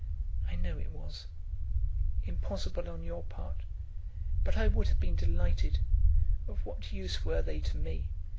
"I know it was; impossible on your part; but I would have been delighted. Of what use were they to me?